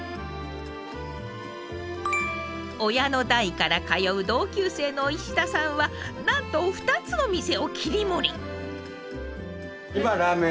親の代から通う同級生の石田さんはなんとふたつの店を切り盛り。